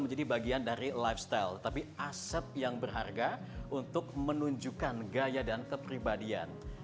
menjadi bagian dari lifestyle tapi aset yang berharga untuk menunjukkan gaya dan kepribadian